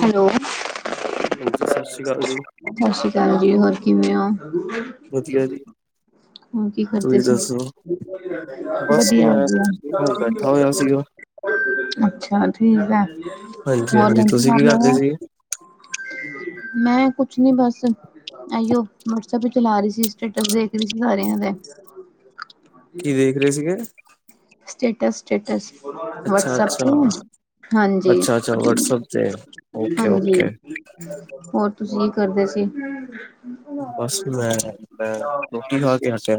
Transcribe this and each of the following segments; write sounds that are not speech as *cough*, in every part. Hello. ਹਾਂਜੀ ਸਤਿ ਸ਼੍ਰੀ ਅਕਾਲ ਜੀ ਸ਼ਾਸ਼੍ਰੀ ਕਾਲ ਜੀ ਹੋਰ ਕਿਵੇਂ ਓ। ਵਦੀਆ ਜੀ। ਓਰ ਕੀ ਕਰਦੇ ਤੁਸੀਂ ਸੀ, ਦੱਸੋ ਬਸ ਮੈਂ ਵਦੀਆ-ਵਦੀਆ। ਕੁਛ ਨੀ ਮੈਂ ਬੈਠਾ ਹੋਇਆ ਸੀਗਾ ਅੱਛਾ ਠੀਕ ਏ ਹਾਂਜੀ ਹੋਰ ਹਾਂਜੀ ਤੁਸੀਂ ਕੀ ਕਰਦੇ *unintelligible* ਸੀਗੇ ਮੈਂ ਕੁਛ ਨੀ ਬਾੱਸ, ਐਈਓ ਵਟਸਐਪ ਈ ਚਲਾ ਰੀ ਸੀ ਸਟੇਟਸ ਦੇਖ ਰੀ ਸੀ ਸਾਰੇਆ ਦੇ। ਕੀ ਦੇਖ ਰੇ ਸੀਗੇ। ਸਟੇਟਸ-ਸਟੇਟਸ ਅੱਛਾ ਵੱਟਸੈਪ ਅੱਛਾ ਤੇ। ਹਾਂਜੀ, ਅੱਛਾ ਅੱਛਾ ਵਟਸਐਪ ਤੇ ਓਕੇ ਹਾਂਜੀ। ਓਕੇ ਹੋਰ ਤੁਸੀਂ ਕੀ ਕਰਦੇ ਸੀ? ਬਸ ਮੈਂ, ਮੈਂ ਰੋਟੀ ਖਾ ਕੇ ਹਟਿਆ।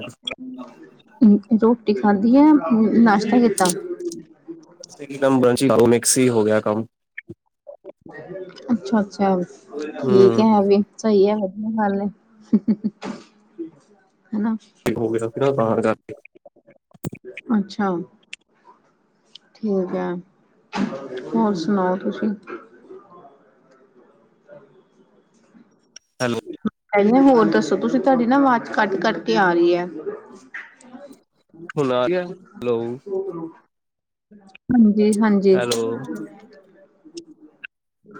ਰੋਟੀ ਖਾਧੀ ਐ, ਨਾਸ਼ਤਾ ਕੀਤਾ? ਨਾਸਤਾ ਕੀ ਮਿਕਸ ਹੋ ਗਿਆ ਕੰਮ। ਅੱਛਾ, ਅੱਛਾ ਠੀਕ ਹੂੰ ਹੈ ਐਵੀ। ਸਹੀ ਹੈ ਫੇਰ ਵੀ ਗੱਲ, ਹਨਾਂ। ਹੋ ਗਿਆ ਸੀ ਨਾ, ਤਾਂ ਕਰਕੇ ਅੱਛਾ! ਠੀਕ ਆ, ਹੋਰ ਸੁਣਾਓ ਤੁਸੀਂ? ਹੈਲੋ ਹੋਰ ਦੱਸੋ ਤੁਸੀਂ, ਤੁਹਾਡੀ ਨਾ ਆਵਾਜ਼ ਕੱਟ- ਕੱਟ ਕੇ ਆ ਰਹੀ ਐ। ਹੁਣ ਆ ਰਹੀ ਹੈ ਹੈਲੋ ਹਾਂਜੀ- ਹਾਂਜੀ। ਹੈਲੋ!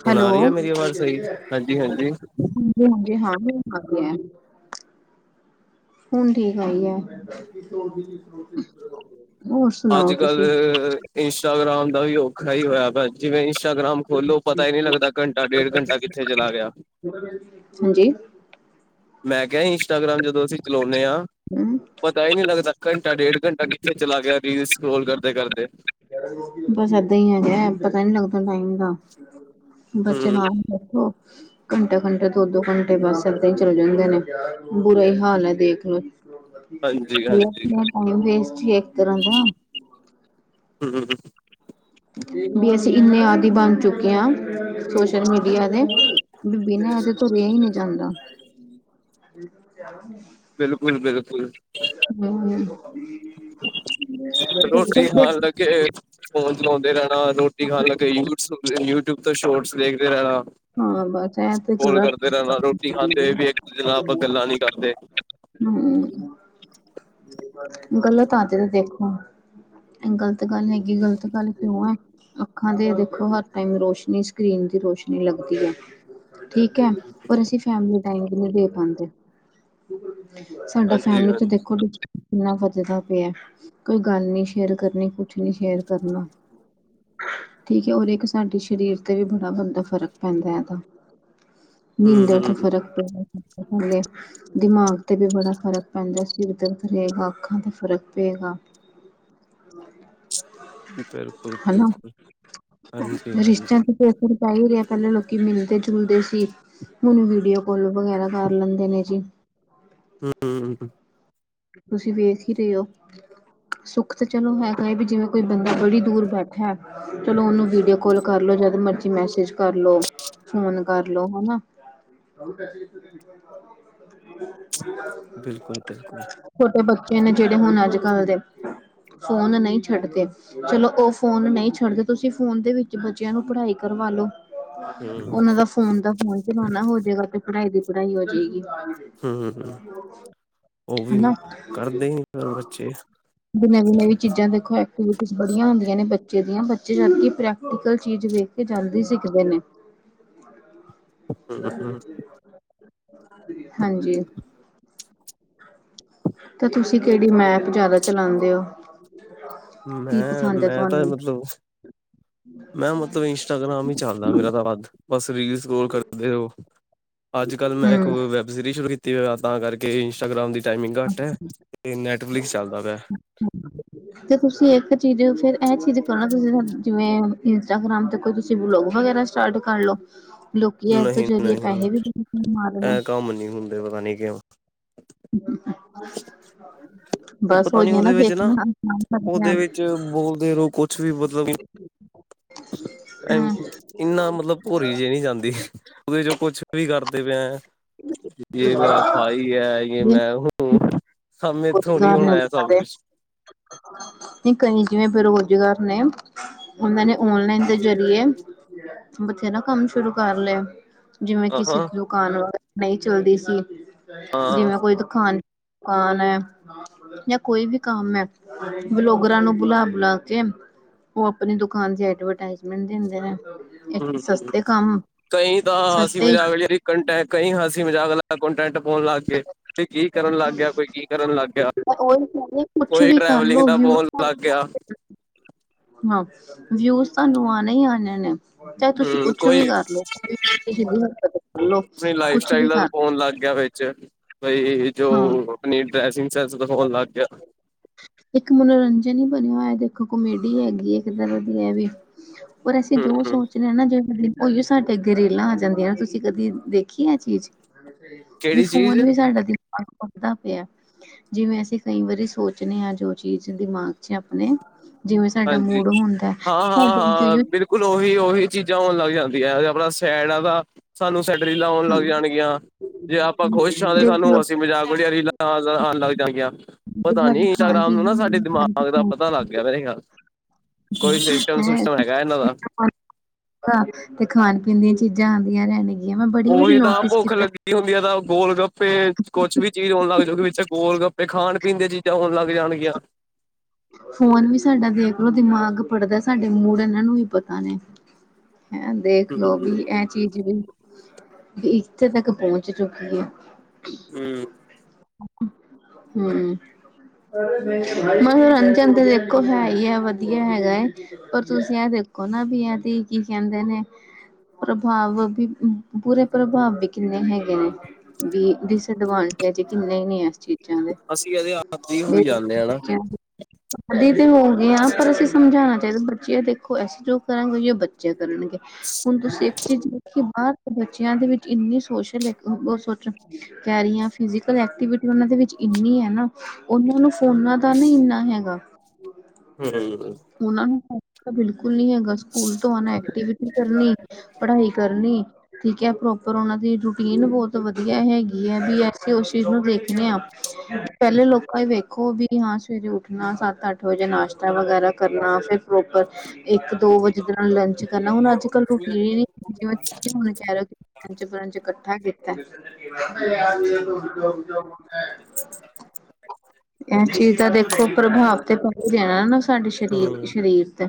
ਹੁਣ ਆ ਹੈਲੋ! ਰਹੀ ਹੈ ਮੇਰੀ ਆਵਾਜ਼ ਸਹੀ ਹਾਂਜੀ, ਹਾਂਜੀ ਹਾਂ ਹੁਣ ਠੀਕ ਆਈ ਐ। ਅੱਜ ਕਲ, ਇੰਸਟਾਗ੍ਰਾਮ ਦਾ ਵੀ ਔਖਾ ਹੀ ਹੋਇਆ ਪਿਆ ਜਿਵੇਂ ਇੰਸਟਾਗ੍ਰਾਮ ਖੋਲੋ ਪਤਾ ਹੀ ਨਹੀਂ ਲੱਗਦਾ ਘੰਟਾ- ਡੇਢ ਘੰਟਾ ਕਿੱਥੇ ਚਲਾ ਗਿਆ। ਹਾਂਜੀ ਮੈਂ ਕਿਹਾ ਸੀ ਇੰਸਟਾਗ੍ਰਾਮ ਜਦੋਂ ਅਸੀਂ ਚਲਾਉਂਨੇ ਆ, ਹਮ ਪਤਾ ਹੀ ਨਹੀਂ ਲੱਗਦਾ ਘੰਟਾ -ਡੇਢ ਘੰਟਾ ਕਿੱਥੇ ਚਲਾ ਗਿਆ, ਰੀਲ ਸਕਰੋਲ ਕਰਦੇ- ਕਰਦੇ। ਬਸ ਏਦਾਂ ਹੀ ਏ, ਪਤਾ ਨੀ ਲੱਗਦਾ ਟਾਈਮ ਦਾ, ਬੱਚੇ ਹਮ ਨਾਲ ਰਖੋ ਘੰਟੇ, ਘੰਟੇ ਦੋ, ਦੋ ਘੰਟੇ ਬਸ ਇੱਦਾਂ ਹੀ ਚਲੇ ਜਾਂਦੇ ਨੇ, ਬੁਰਾ ਹੀ ਹਾਲ ਹੈ ਦੇਖ ਲੋ। ਹਾਂਜੀ ਹੋਰ ਹਾਂਜੀ ਟਾਈਮ ਵੇਸਟ ਹੀ ਇੱਕ ਤਰ੍ਹਾਂ ਦਾ। ਹੂੰ। ਵੀ ਅਸੀਂ ਇੰਨੇ ਆਦੀ ਬਣ ਚੁੱਕੇ ਆ ਸੋਸ਼ਲ ਮੀਡੀਆ ਦੇ, ਬਿਨਾਂ ਏਦੇ ਤੋਂ ਤੁਰਿਆ ਨੀ ਜਾਂਦਾ। ਬਿਲਕੁਲ -ਬਿਲਕੁਲ। ਰੋਟੀ ਖਾਣ ਲੱਗੇ ਹੂੰ। ਫੋਨ ਚਲਾਉਂਦੇ ਰਹਿਣਾ, ਰੋਟੀ ਖਾਣ ਲੱਗੇ ਯੂਸ ਯੂਟਿਊਬ ਤੋਂ ਸ਼ੋਰਟਸ ਦੇਖਦੇ ਰਹਿਣਾ। ਹਾਂ ਬਸ ਆ ਤੇ ਸਕਰੋਲ ਪੂਰਾ ਕਰਦੇ ਰਹਿਣਾ ਰੋਟੀ ਖਾਂਦੇ ਵੀ ਇੱਕ ਦੂਜੇ ਨਾਲ ਆਪਾਂ ਗੱਲਾਂ ਨੀ ਕਰਦੇ ਹੂੰ। ਗਲਤ ਆਦਤ 'ਦੇਖੋ ਗ਼ਲਤ ਗੱਲ ਹੈਗੀ, ਗ਼ਲਤ ਗੱਲ ਕਿਉਂ ਐ? ਅੱਖਾਂ ਤੇ ਦੇਖੋ ਹਰ ਟਾਈਮ ਰੋਸ਼ਨੀ, ਸਕਰੀਨ ਦੀ ਰੋਸ਼ਨੀ ਲੱਗਦੀ ਐ। ਠੀਕ ਐ। ਔਰ ਅਸੀਂ ਫੈਮਲੀ ਟਾਈਮ ਨਹੀਂ ਦੇ ਪਾਂਦੇ। ਸਾਡਾ ਹਾਂਜੀ ਫੈਮਿਲੀ ਤੇ ਹਾਂਜੀ ਦੇਖੋ ਤੁ ਕਿੰਨਾ ਵੱਧਦਾ ਪਿਆ, ਕੋਈ ਗੱਲ ਨੀ ਸ਼ੇਅਰ ਕਰਨੀ, ਕੁਛ ਨੀ ਸ਼ੇਅਰ ਕਰਨਾ। ਠੀਕ ਏ, ਔਰ ਇੱਕ ਸਾਡੀ ਸ਼ਰੀਰ ਤੇ ਵੀ ਮੰਦਾ ਫਰਕ ਪੈਂਦਾ ਏਦਾ, ਹਮ ਨੀਂਦਰ ਤੇ ਹਮ ਫ਼ਰਕ ਪੈਂਦਾ ਨਾਲੇ ਦਿਮਾਗ ਤੇ ਵੀ ਬੜਾ ਫ਼ਰਕ ਪੈਂਦਾ, ਸਿਰ ਦਰਦ ਰਹੇਗਾ, ਅੱਖਾਂ ਤੇ ਫ਼ਰਕ ਪਏਗਾ। *unintelligible* ਬਿਲਕੁਲ, ਹਨਾ। ਬਿਲਕੁਲ। ਹਾਂਜੀ- ਹਾਂਜੀ। ਫਸਣ ਪੈ ਹੀ ਰਿਹਾ, ਪਹਿਲਾਂ ਲੋਕੀ ਮਿਲਦੇ -ਜੁਲਦੇ ਸੀ। ਹੁਣ ਵੀਡੀਓ ਫੁੱਲ ਵਗੈਰਾ ਕਰ ਲੈਂਦੇ ਨੇ ਜੀ। ਹੂੰ। ਤੁਸੀਂ ਵੇਖ ਹੀ ਰਹੇ ਓ! ਸੁੱਖ ਤਾਂ ਚਲੋ ਹੈਗਾ ਐ, ਵੀ ਜਿਵੇਂ ਕੋਈ ਬੰਦਾ ਬੜੀ ਦੂਰ ਬੈਠਾ ਐ ਚਲੋ ਉਹਨੂੰ ਵੀਡੀਓ ਕਾਲ ਕਰਲੋ ਜਦ ਮਰਜ਼ੀ ਮੈਸੇਜ ਕਰ ਲੋ। ਫੋਨ ਕਰਲੋ ਹਨਾ, ਬਿਲਕੁਲ-ਬਿਲਕੁਲ। ਛੋਟੇ ਬੱਚੇ ਨੇ ਜਿਹੜੇ ਹੁਣ ਅੱਜ-ਕੱਲ ਦੇ ਫੋਨ ਨਹੀ ਛੱਡਦੇ। ਚਲੋ ਉਹ ਫੋਨ ਨਹੀ ਛੱਡਦੇ ਤੁਸੀਂ ਫੋਨ ਦੇ ਵਿੱਚ ਬੱਚਿਆਂ ਨੂੰ ਪੜ੍ਹਾਈ ਕਰਵਾਲੋ। ਹਮ ਉਹਨਾਂ ਦਾ ਫੋਨ ਦਾ ਫੋਨ ਬਣਾਨਾ ਹੋ ਜਾਏਗਾ ਤੇ ਪੜ੍ਹਾਈ ਦੀ ਪੜ੍ਹਾਈ ਹੋ ਜਾਏਗੀ। ਹੂੰ, ਉਹ ਵੀ ਹਨਾ ਕਰਦੇ ਨੀ ਫਿਰ ਬੱਚੇ, ਨਵੀਂ-ਨਵੀਂ ਚੀਜ਼ਾਂ ਦੇਖੋ ਐਕਟੀਵਿਟੀਇਜ ਬੜੀਆ ਹੁੰਦੀਆ ਨੇ ਬੱਚੇ ਦੀਆਂ ਬੱਚੇ ਜਦਕਿ ਪ੍ਰੈਕਟੀਕਲ ਚੀਜ਼ ਵੇ ਬੱਚੇ ਜਲਦੀ ਸਿੱਖਦੇ ਨੇ। ਹਾਂਜੀ। ਤਾਂ ਤੁਸੀਂ ਕਿਹੜੀ ਮੈਪ ਜ਼ਿਆਦਾ ਚਲਾਉਂਦੇ ਹੋ। ਕੀ ਮੈਂ, ਪਸੰਦ ਹੈ ਮੈਂ ਤਾਂ ਤੁਹਾਨੂੰ ਮਤਲਬ, ਮੈਂ ਮਤਲਬ ਇੰਸਟਾਗ੍ਰਾਮ ਹੀ ਚੱਲਦਾ ਮੇਰਾ ਤਾਂ ਹੱਥ ਬਸ ਰੀਲਸ, ਸਕਰੋਲ ਕਰਦੇ ਓ ਅੱਜ-ਕੱਲ ਮੈਂ ਇੱਕ ਹਮ ਵੈੱਬ ਸੀਰੀਜ਼ ਸ਼ੁਰੂ ਕੀਤੀ ਹੋ ਤਾਂ ਕਰਕੇ ਇੰਸਟਾਗ੍ਰਾਮ ਦੀ, ਟਾਈਮਿੰਗ ਘੱਟ ਹੈ ਤੇ ਨੈੱਟ ਫਲਿਕਸ ਚੱਲਦਾ ਪਿਆ। ਹਮ ਤੇ ਤੁਸੀਂ ਇੱਕ ਚੀਜ਼ ਫੇਰ ਇਹ ਚੀਜ਼ ਕਰਨਾ ਤੁਸੀਂ ਜਿਵੇਂ ਇੰਸਟਾਗ੍ਰਾਮ ਤੇ ਕੋਈ ਤੁਸੀਂ ਵਲੋਗ ਵਗੈਰਾ ਸਟਾਰਟ ਕਰ ਲੋ ਲੋਕੀ ਇਹ ਤੋਂ ਨਹੀਂ ਚੰਗੇ ਨਹੀਂ ਪੈਸੇ ਵੀ ਕਮਾ ਰਹੇ ਨੇ। ਇਹ ਕੰਮ ਨੀ ਹੁੰਦਾ। ਪਤਾ ਨੀ ਕਿਉਂ। *inaudible* ਬਸ ਪਤਾ ਨੀ ਹੋਈਆਂ ਉਹਦੇ ਵਿੱਚ ਨਾ ਵੇਖਣਾ ਉਹਦੇ ਵਿੱਚ ਬੋਲਦੇ ਰਹੋ ਕੁਛ ਵੀ ਮਤਲਬ ਐ ਇੰਨਾ ਮਤਲਬ ਭੋਰੀ ਜੇ ਨਹੀ ਜਾਂਦੀ। ਉਹਦੇ ਚ ਕੁਛ ਵੀ ਕਰਦੇ ਪਏ ਐ, ਯੇ ਮੇਰਾ ਭਾਈ ਹੈ ਯੇ ਮੈਂ ਹੂ, ਬੇਰੁਜ਼ਗਾਰ ਹੂੰ, ਮੈਥੋਂ ਨੀ ਹੋਣਾ ਇਹ ਸਭ ਕੁਛ, ਹ ਤੇ ਕਈ ਜਿਵੇਂ ਬੇਰੁਜ਼ਗਾਰ ਨੇ ਉਹਨਾਂ ਨੇ ਔਨਲਾਈਨ ਦੇ ਜ਼ਰੀਏ, ਬਥੇਰਾ ਕੰਮ ਸ਼ੁਰੂ ਕਰ ਲਿਆ। ਜਿਵੇਂ ਹਾਂ ਕਿਸੇ ਹਾਂ ਦੀ ਦੁਕਾਨ ਨਹੀ ਚੱਲਦੀ ਸੀ, ਹਾਂ ਜਿਵੇਂ ਕੋਈ ਦੁਕਾਨ, ਦੁਕਾਨ ਐ, ਜਾਂ ਕੋਈ ਵੀ ਕੰਮ ਹੈ ਬਲੋਗਰਾਂ ਨੂੰ ਬੁਲਾ-ਬੁਲਾ ਕੇ, ਉਹ ਆਪਣੀ ਦੁਕਾਨ ਦੀ ਐਡਵਰਟਜ਼ਮੈਂਟ ਦਿੰਦੇ ਨੇ। ਹੂੰ, ਸਸਤੇ ਕੰਮ ਕਈ ਦਾ ਅਸੀਂ ਸਸਤੇ *unintelligible* ਲਈ ਜੀ। ਕੰਟ ਕਈ ਅਸੀ ਮਜ਼ਾਕ ਲ ਕੰਟੈਂਟ ਪਾਉਣ ਲੱਗ, ਗੇ ਤੇ ਕੀ ਕਰਨ ਲੱਗ ਗਿਆ ਕੋਈ ਕੀ ਕਰਨ ਲੱਗ ਗਿਆ। ਉਹੀ ਕਹਿੰਦੇ ਕੁਛ ਕੋਈ ਵੀ ਟਰੈਵਲਿੰਗ ਕਰਲੋ ਦਾ ਵਿਊ ਬੋਲ ਲੱਗ ਗਿਆ। ਹਾਂ, ਵਿਊਜ਼ ਤੁਹਾਨੂੰ ਆਉਣੇ ਹੀ ਆਉਣੇ ਨੇ। ਚਾਹੇ ਤੁਸੀਂ ਹੂੰ ਕੁਛ ਕੋਈ ਵੀ ਕਰ ਲਓ ਸਿੱਧੀ ਹ ਕਰ ਲੋ ਕੁਛ ਵੀ ਕਰ ਜ ਬਈ ਜੋ ਹਾਂ ਆਪਣੀ ਡਰੈਸਿੰਗ ਸੈਂਸ ਦਖਾਣ ਲੱਗ ਗਿਆ। *unintelligible* ਇੱਕ ਮਨੋਰੰਜਨ ਹੀ ਬਣਿਆ ਹੋਇਆ ਦੇਖੋ ਕਮੇਡੀ ਹੈਗੀ ਇੱਕ ਤਰ੍ਹਾਂ ਦੀ ਇਹ ਵੀ। ਔਰ ਅਸੀਂ ਜੋ ਹੂੰ ਸੋਚਦੇ ਹੈ ਨਾ ਜੇ ਉਹੀਓ ਸਾਡੇ ਅੱਗੇ ਰੀਲਾਂ ਆ ਜਾਂਦੀਆ ਨੇ ਤੁਸੀਂ ਕਦੀ ਦੇਖੀ ਇਹ ਚੀਜ਼? ਵੀ ਕਿਹੜੀ ਚੀਜ਼ ਫੋਨ ਵੀ ਸਾਡਾ ਦਿਮਾਗ ਪੜ੍ਹਦਾ ਪਿਆ। ਜਿਵੇਂ ਅਸੀਂ ਕਈ ਵਾਰੀ ਸੋਚਣੇ ਹਾਂ ਜੋ ਚੀਜ਼ ਦਿਮਾਗ ਚ ਆਪਣੇ ਜਿਵੇਂ ਸਾਡਾ ਹਾਂਜੀ ਮੂਡ ਹੁੰਦਾ ਹਾਂ ਹਾਂ ਫੋਨ ਤੇ ਹਾਂ ਓਹੀਓ ਬਿਲਕੁਲ ਉਹੀ-ਉਹੀ ਚੀਜ਼ਾਂ ਹੋਣ ਲੱਗ ਜਾਂਦੀਆਂ ਆਪਣਾ ਸੈਡ ਆ ਦਾ ਸਾਨੂੰ ਸੈਡ ਰੀਲਾਂ ਆਉਣ ਹਾਂ ਲੱਗ ਜਾਣਗੀਆਂ। ਜੇ ਆਪਾਂ ਖੁਸ਼ ਹਾਂ ਦੇਖ ਲੋ ਸਾਨੂੰ ਅਸੀਂ ਮਜ਼ਾਕ ਬੜੀਆ ਰੀਲਾਂ ਆਣ ਲੱਗ ਜਾਂਗੀਆਂ। ਪਤਾ ਨੀ ਖਾਣ ਇੰਸਟਾਗ੍ਰਾਮ ਪੀਣ ਨੂੰ ਨਾ ਸਾਡੇ ਦਿਮਾਗ ਦਾ ਪਤਾ ਲੱਗ ਗਿਆ ਮੇਰੇ ਖਿਆਲ *inaudible* ਕੋਈ ਸਿਸਟਮ ਸੁਸਟਮ ਹੈਗਾ ਇਹਨਾਂ ਦਾ ਤੇ ਖਾਣ ਪੀਣ ਦੀਆਂ ਚੀਜ਼ਾਂ ਆਦੀਆਂ ਰੈਣਗੀਆਂ ਮੈਂ ਬੜੀ ਵਾਰੀ ਉਹੀ ਤਾਂ ਨੋਟਿਸ ਭੁੱਖ ਕੀਤਾ। ਲੱਗੀ ਹੁੰਦੀ ਹੈ ਤਾਂ ਗੋਲ ਗੱਪੇ ਕੁਛ ਵੀ ਚੀਜ਼ ਹੋਣ ਲੱਗ ਜੋ ਕਿ ਵਿੱਚ ਗੋਲ ਗੱਪੇ ਖਾਣ ਪੀਣ ਦੇ ਚੀਜ 'ਚ ਆਉਣ ਲੱਗ ਜਾਣਗੀਆਂ। ਫੋਨ ਵੀ ਸਾਡਾ ਦੇਖਲੋ ਦਿਮਾਗ ਪੜਦਾ ਸਾਡੇ ਮੂਡ ਇਨਾਂ ਨੂੰ ਵੀ ਪਤਾ ਨੇ। ਮੈਮ ਦੇਖਲੋ ਵੀ ਹੂੰ ਐ ਚੀਜ਼ ਵੀ ਇੱਥੇ ਤੱਕ ਪਹੁੰਚ ਚੁੱਕੀ ਐ। ਹੂੰ ਹੂੰ ਕਿਚਨ ਤੇ ਦੇਖੋ ਹੈ ਈ ਐ ਵਧੀਆ ਹੈਗਾ। ਪਰ ਤੁਸੀਂ ਐ ਦੇਖੋ ਨਾ ਵੀ ਐ ਤੇ ਕੀ ਕੈਂਦੇ ਨੇ। ਪ੍ਰਭਾਵ ਵੀ ਬੂਰੇ ਪ੍ਰਭਾਵ ਵੀ ਕਿੰਨੇ ਹੈਗੇ ਨੇ। ਦੀ ਡਿਸਡਵਾਂਟਜ ਕਿੰਨੇ ਐ ਏਸ ਚੀਜ਼ ਅਸੀਂ ਇਹਦੇ ਆਦੀ ਦੇ ਹੋਈ ਜਾਂਦੇ ਆ ਨਾ ਬੱਚਿਆਂ ਦੇ ਆ ਤੇ ਹੋ ਗਏ ਏ ਪਰ ਅਸੀ ਸਮਝਾਉਣਾ ਚਾਈਦਾ ਬੱਚੇ ਦੇਖੋ ਅਸੀਂ ਜੋ ਕਰਾਂਗੇ ਬੱਚੇ ਚੇ ਕਰਨਗੇ ਹੁਣ ਤੁਸੀਂ ਇੱਕ ਚੀਜ਼ ਦੇਖੀ ਬਾਰ ਬੱਚਿਆਂ ਦੇ ਵਿੱਚ ਇੰਨੀ ਸੋਸ਼ਲ ਐਕਟੀਵਿਟੀ ਓ ਸੋਚਣ ਕੈ ਰਈ ਆਂ ਫਿਜ਼ਕਲ ਐਕਟੀਵਿਟੀ ਉਨਾਂ ਦੇ ਵਿੱਚ ਇੰਨੀ ਹੈ ਨਾ ਉਨਾਂ ਨੂੰ ਫੋਨਾ ਦਾ ਨਾ ਇਨਾ ਅ ਹੈਗਾ। ਹੂੰ ਉਨਾਂ ਨੂੰ ਬਿਲਕੁਲ ਨਈ ਹੈਗਾ ਸਕੂਲ ਤੋਂ ਆਣਾ ਐਕਟੀਵਿਟੀ ਕਰਨੀ। ਪੜ੍ਹਾਈ ਕਰਨੀ। ਠੀਕ ਏ ਪ੍ਰੋਪਰ ਉਨਾਂ ਦੀ ਰੂਟੀਨ ਬੋਤ ਵਧੀਆ ਹੈਗੀ ਐ ਵੀ ਅਸੀਂ ਉਸ ਚੀਜ਼ ਨੂੰ ਦੇਖਣੇ ਆਂ। ਪੈਲੇ ਲੋਕਾਂ ਵੇਖੋ ਵੀ ਹਾਂ ਸਵੇਰੇ ਉੱਠ ਉੱਠਣਾ ਸੱਤ ਅੱਠ ਵਜੇ ਨਾਸ਼ਤਾ ਵਗੈਰਾ ਕਰਨਾ ਫਿਰ ਪ੍ਰੋਪਰ ਇੱਕ ਦੋ ਵਜੇ ਦੇ ਨਾਲ ਲੰਚ ਕਰਨਾ ਹੁਣ ਅੱਜ ਕੱਲ ਰੁਕੀ ਨੀ *unintelligible* ਕੈ ਲੋ ਪੰਜ-ਪੰੰਜ ਕੱਠਾ ਕੀਤਾ। ਐ ਚੀਜ਼ ਤਾਂ ਦੇਖੋ ਪ੍ਰਭਾਵ ਤੇ ਪੈਂਦਾ ਨਾ ਸਾਡੇ ਹੂੰ, ਸ਼ਰੀਰ-ਸਰੀਰ ਤੇ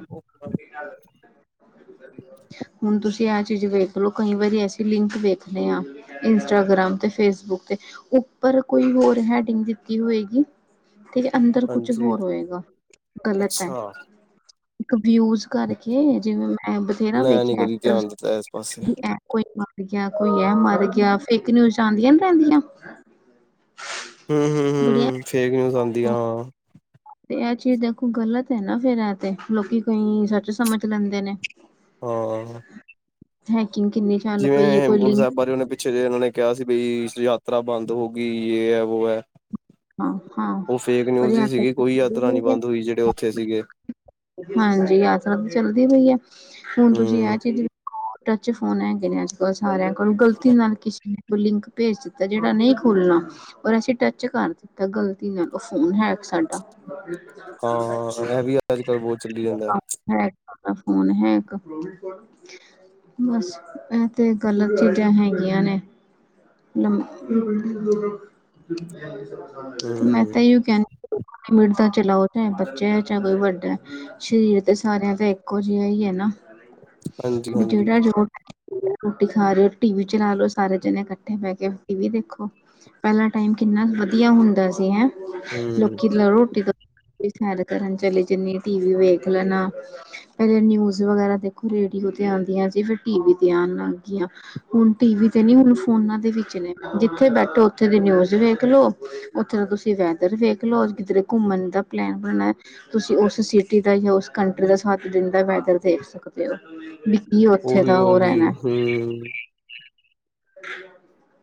ਹੁਣ ਤੁਸੀਂ ਆ ਚੀਜ਼ ਵੇਖ ਲਓ ਕਈ ਵਾਰੀ ਅਸੀਂ ਲਿੰਕ ਵੇਖਦੇ ਹਾਂ। ਇੰਸਟਾਗ੍ਰਾਮ ਤੇ ਫੇਸਬੁੱਕ ਤੇ ਉੱਪਰ ਕੋਈ ਹੋਰ ਹੈਡਿੰਗ ਦਿੱਤੀ ਹੋਏਗੀ। ਤੇ ਠੀਕ ਅੰਦਰ ਕੁਛ ਹਾਂਜੀ। ਹੋਰ ਹੋਏਗਾ ਗਲਤ ਐ। ਅੱਛਾ, ਇੱਕ ਵਿਊਜ ਕਰਕੇ ਜਿਵੇਂ ਮੈਂ ਬਥੇਰਾ ਮੈਂ ਨੀ ਵੇਖਿਆ ਕਦੀ ਐਕਟਰ ਧਿਆਨ ਦਿੱਤਾ ਇਸ ਪਾਸੇ। ਕੋਈ ਮਰ ਗਿਆ ਕੋਈ ਇਹ ਮਰ ਗਿਆ ਫੇਕ ਨਿਊਜ ਆਂਦੀਆਂ ਨੀ ਰੈਂਦੀਆਂ। ਹੂੰ ਹੂੰ ਹੂੰ ਫੇਕ ਨਿਊਜ ਆਂਦੀਆਂ ਆਂ। ਤੇ ਐ ਚੀਜ਼ ਦੇਖੋ ਗਲਤ ਐ ਨਾ ਫਿਰ ਐ ਤੇ ਲੋਕੀ ਕਈ ਸੱਚ ਸਮਝ ਲੈਂਦੇ ਨੇ। ਹਾਂ ਥੈਂਕਯੂ ਕਿੰਨੀ ਚੱਲ ਜਿਵੇਂ ਪਈ ਹੈ ਕੋਈ ਹੇਮਕੁੰਡ ਲਿੰਕ ਸਾਹਿਬ ਬਾਰੇ ਉਨੇ ਪਿ ਪਿਛੇ ਜੇ ਇਨਾਂ ਨੇ ਕਿਆ ਸੀ ਬਈ ਯਾਤਰਾ ਬੰਦ ਹੋ ਗਈ ਜੇ ਏ-ਵੋ ਐ। ਹਾਂ ਹਾਂ ਓ ਫੇਕ ਨਿਊਜ ਈ ਸੀਗੀ ਕੋਈ ਯਾਤਰਾ ਨੀ ਪਰ ਬੰਦ ਹੋਈ ਜੇੜੇ ਉਥੇ ਸੀਗੇ। ਹਾਂਜੀ ਯਾਤਰਾ ਤੇ ਚੱਲਦੀ ਨਈ ਐ, ਹੁਨ ਤੁਸੀਂ ਐਹ ਹੂੰ, ਚੀਜ਼ ਦੇ ਟੱਚ ਫੋਨ ਹੈਗੇ ਐ ਅੱਜ-ਕੱਲ ਸਾਰਿਆਂ ਕੋਲ, ਗਲਤੀ ਨਾਲ ਕਿਸੀ ਕੋਈ ਲਿੰਕ ਭੇਜ ਦਿੱਤਾ ਜੇਹੜਾ ਨਈ ਖੋਲਨਾ। ਔਰ ਅਸੀਂ ਟੱਚ ਕਰ ਤਾ ਗ਼ਲਤੀ ਨਾਲ, ਓਹ ਫੋਨ ਹੈਕ ਸਾਡਾ *unintelligible* ੳ ਹਾਂ ਇਹ ਵੀ ਅੱਜ-ਕੱਲ੍ਹ ਬਹੁਤ ਚੱਲੀ ਜਾਂਦਾ ਕੰਮ ਹੈ ਅ ਫੋਨ ਹੀ ਐ ਇੱਕ *unintelligible* ਬਸ ਏਹ ਤੇ ਗਲਤ ਚੀਜ਼ਾਂ ਹੈਗੀਆਂ ਨੇ ਮ-ਮ- *unintelligible* ਮੈਂ ਤਾ ਹੂੰ-ਹੂੰ। ਅਯਿਓ ਕਹਿ *unintelligible* ਬੱਚੇ ਐ ਚਾਵਲ ਵੱਡੇ ਸ਼ਰੀਰ ਤੇ ਸਾਰਿਆਂ ਦਾ ਇੱਕੋ ਜੇਹਾ ਈ ਏ-ਨਾ। *inaudible* ਵੀ ਹਾਂਜੀ-ਹਾਂਜੀ। ਜਿਹੜਾ ਜਦੋ *unintelligible* ਰੋਟੀ ਖਾ ਰਿਹਾ ਟੀ-ਵੀ ਚਲਾ ਲਓ ਸਾਰੇ ਜਨੇ ਕੱਅ ਠੇ ਬਹਿ ਕੇ ਟੀ-ਵੀ ਦੇਖੋ, ਪਹਿਲਾ ਟਾਈਮ ਕਿੰਨਾ ਵਧੀਆ ਹੁੰਦਾ ਸੀ ਹੈਂਅ *unintelligible* ਹੂੰ, ਲੋਕੀ ਨਾਲੇ ਰੋਟੀ ਦਾ *unintelligible* ਕਰਨ ਚਲੀ ਜਾਂਨੀ ਟੀ-ਵੀ ਵੇਖ ਲੈਨਾ ਪਹਿਲੇ ਨਿਊਜ਼ ਵਗੈਰਾ ਦੇਖੋ ਰੇਡੀਓ ਤੇ ਆਂਦੀਆਂ ਜੀ, ਫਿਰ ਟੀ-ਵੀ ਤੇ ਆਨ ਲਾਗੀਆਂ। ਹੁਨ ਟੀ-ਵੀ ਤੇ ਨੀ ਹੁਨ ਫੋਨਾਂ ਦੇ ਵਿੱਚ ਨੇ, ਜਿੱਥੇ ਬੈਠੋ ਉੱਥੇ ਦੀ ਨਿਊਜ਼ ਵੇਖ ਲੋ, ਉੱਥੇ ਦਾ ਤੁਸੀਂ ਵੈਦਰ ਵੇਖ ਖਲੋਜ ਕਿੱਦਰੇ ਘੁੰਮਣ ਦਾ ਪਲੈਨ *unintelligible* ਤੁਸੀਂ ਓਸ ਸਿਟੀ ਦਾ ਯਾ ਓਸ ਕੰਟਰੀ ਦਾ ਸੱਤ-ਦਿਨ ਦਾ ਵੈਦਰ ਦੇਖ ਸਕਦੇ ਓ। ਵੀ-ਕੀ ਓਥੇ ਦਾ ਓਹ ਰੈਨਾ ਹੂਅਅ *unintelligible*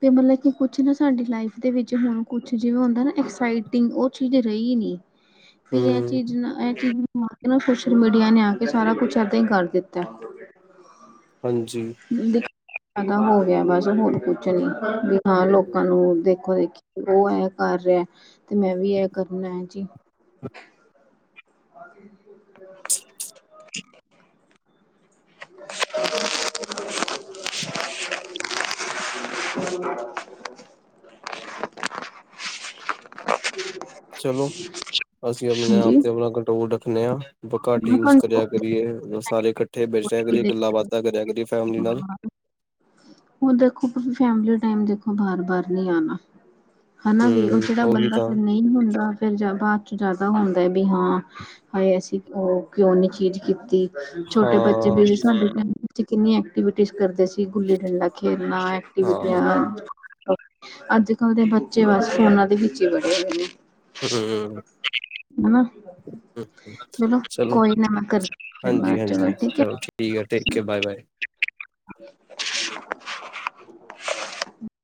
ਤੇ ਮਤਲਬ ਕਿ ਕੁਛ ਵੀ ਸਾਡੀ ਲਾਈਫ ਦੇ ਵਿੱਚ, ਹੁਨ ਕੁਛ ਜਿਵੇਂ ਉਅ ਹੁੰਦਾ ਹੈ ਨਾ ਏਨਾ ਐਕਸਾਈਟਿੰਗ ਓਹ ਚੀਜ਼ ਰਹੀ ਨੀ। *unintelligible* ਵੀ ਐਹ ਚੀਜ਼ ਨਾ ਐਹ ਚੀਜ਼ *unintelligible* ਏਹ ਨਾ ਸੋਸ਼ਲ ਮੀਡੀਆ ਨੇ ਆਕੇ ਸਾਰਾ ਕੁਛ ਐਦਾ ਹੀ ਕਰ ਦਿੱਤਾ। ਹਾਂਜੀ। *unintelligible* ਹੋ ਗਿਆ ਬਸ ਹੋਰ ਕੁਛ ਨੀ, ਵੀ ਹਾਂ ਲੋਕਾਂ ਨੂੰ ਦੇਖੋ ਵੇਖੀ ਓਹ ਏਹ ਕਰ ਰਿਹਾ, ਤੇ ਮੈਂ-ਵੀ ਏਹ ਕਰਨਾ ਐ ਜੀ। *unintelligible* *unintelligible* *unintelligible* *unintelligible* *unintelligible* ਚਲੋ ਅਸੀਂ ਆਪਨੇ-ਆਪ ਹਾਂਜੀ ਤੇ ਆਪਣਾ ਕੰਟਰੋਲ ਰੱਖਨੇ ਆਂ ਘੱਟ ਯੂਜ਼ ਕਰਿਆ ਕਰੀਏ ਸਾਰੇ ਇਕੱਠੇ ਬੇਠਿਆ ਕਰੀਏ ਗੱਲਾਂ-ਬਾਤਾਂ ਕਰਿਆ-ਕਰੀਏ ਫੈਮਿਲੀ ਨਾਲ। ਹੁਨ ਦੇਖੋ ਤੁਸੀ ਫੈਮਲੀ ਦਾ ਟਾਈਮ ਦੇਖੋ ਬਾਰ-ਬਾਰ ਨੀ ਆਨਾ। ਹਨਾ ਵੀ ਓਹ ਹਮ ਜੇਹੜਾ ਉਹੀ ਬੰਦਾ ਤਾਂ ਫੇਰ ਨਹੀਂ ਹੁੰਦਾ, ਫੇਰ ਜਿ -ਬਾਅਚ ਜ਼ਿਆਦਾ ਹੁੰਦਾ ਹੈ ਵੀ ਹਾਂ ਹਾਏ ਅਸੀਂ ਓਹ ਕਿਉਂ ਨੀ ਖਿਝ ਕੀਤੀ। *unintelligible* ਛੋਟੇ-ਬੱਚੇ ਹਾਂ ਵੇਲੇ ਸਾਡੇ ਉੱਥੇ ਕਿੰਨੀ ਐਕਟੀਵਿਟੀਸ ਕਰਦੇ ਸੀ, ਗੁੱਲੀ-ਡੰਡਾ ਖੇਲਨਾ ਐ ਹਾਂ *unintelligible* ਅੱਜ-ਕੱਲ ਦੇ ਬੱਚੇ ਬਸ ਫੋਨਾਂ ਦੇ ਵਿੱਚ ਹੀ ਵੜੇ ਰਹਿਨੇ *unintelligible* ਹਮ-ਅ ਚਲੋ ਕੋਈ ਨਾ ਮੈਂ ਕਰਦੀ ਫਿਰ ਬਾਅਦ ਚੋਂ ਗੱਲ ਹਾਂਜੀ-ਹਾਂਜੀ, ਹੈ ਚਲੋ ਠੀਕ। ਠੀਕ ਏ, ਟੇਕੇ, ਬਾਏ-ਬਾਏ। *unintelligible*